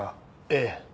ええ。